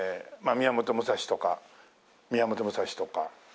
『宮本武蔵』とか『宮本武蔵』とか。